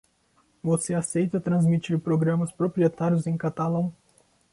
Você aceita transmitir programas proprietários em catalão?